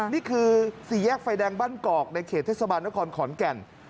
นี่คือสี่แยกไฟแดงบ้านกอกในเขตเทศบาลนครขอนแก่น